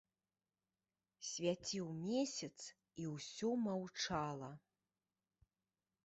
Свяціў месяц, і ўсё маўчала.